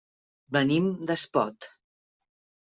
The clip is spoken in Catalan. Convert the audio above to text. Venim d'Espot.